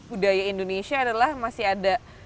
budaya indonesia adalah masih ada